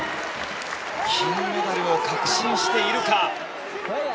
金メダルを確信しているか。